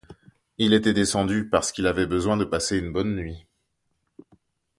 Il était descendu, parce qu'il avait besoin de passer une bonne nuit.